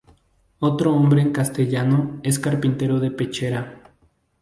Otro nombre en castellano es carpintero de pechera.